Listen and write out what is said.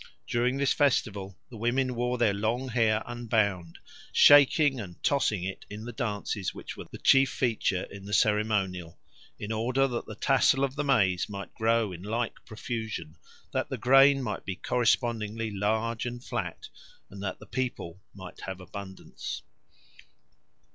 During this festival the women wore their long hair unbound, shaking and tossing it in the dances which were the chief feature in the ceremonial, in order that the tassel of the maize might grow in like profusion, that the grain might be correspondingly large and flat, and that the people might have abundance."